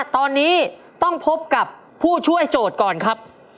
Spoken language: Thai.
ตอนนี้ต้องพบกับผู้ช่วยโจทย์ก่อนครับ